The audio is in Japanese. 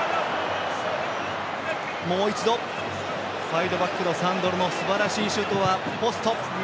サイドバックのサンドロのすばらしいシュートはポスト。